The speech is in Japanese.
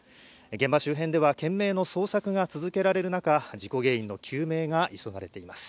現場周辺では懸命の捜索が続けられる中、事故原因の究明が急がれています。